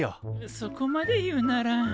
そこまで言うなら。